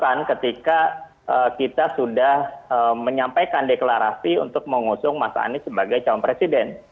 bukan ketika kita sudah menyampaikan deklarasi untuk mengusung mas anies sebagai calon presiden